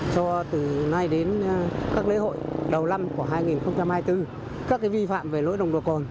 cho từ nay đến các lễ hội đầu năm của hai nghìn hai mươi bốn các vi phạm về lỗi nồng độ cồn